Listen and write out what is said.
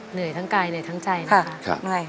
เหนื่อยทั้งกายเหนื่อยทั้งใจนะคะ